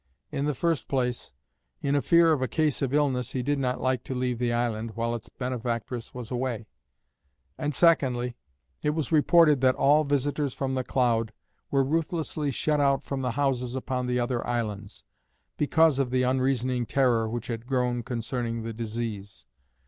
In the first place, in fear of a case of illness he did not like to leave the island while its benefactress was away; and, secondly, it was reported that all visitors from The Cloud were ruthlessly shut out from the houses upon the other islands, because of the unreasoning terror which had grown concerning the disease.